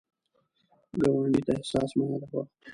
ګاونډي ته احسان مه یادوه